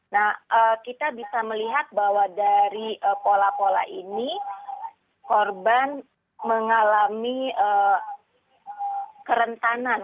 nah kita bisa melihat bahwa dari pola pola ini korban mengalami kerentanan